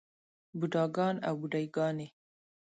بوډاګان او بوډے ګانے